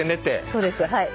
そうですはい。